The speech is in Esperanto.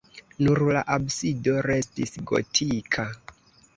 Nur la absido restis gotika.